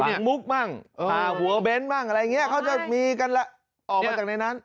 หลังมุกบ้างหลังหัวเบ้นบ้างอะไรอย่างเงี้ยเขาจะมีกันออกมาจากในนั้น